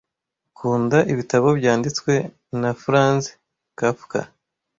Ukunda ibitabo byanditswe na Franz Kafka?